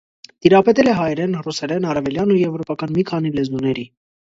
Տիրապետել է հայերեն, ռուսերեն, արևելյան ու եվրոպական մի քանի լեզուների։